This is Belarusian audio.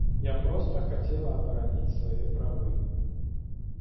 Я проста хацела абараніць свае правы.